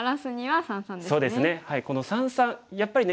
そうですね。